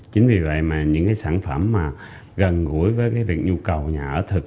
chính vì vậy mà những cái sản phẩm mà gần gũi với cái việc nhu cầu nhà ở thực